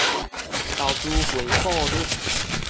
投資回報率